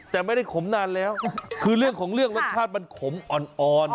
แต่ไม่ได้ขมนานแล้วคือเรื่องของเรื่องรสชาติมันขมอ่อน